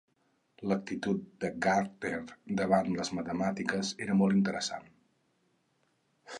L'actitud de Gardner davant les matemàtiques era molt interessant.